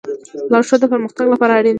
لارښود د پرمختګ لپاره اړین دی.